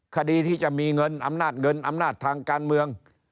คดีที่จะมีเงินอำนาจเงินอำนาจทางการเมือง